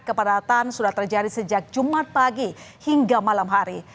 kepadatan sudah terjadi sejak jumat pagi hingga malam hari